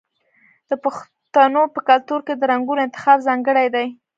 د پښتنو په کلتور کې د رنګونو انتخاب ځانګړی دی.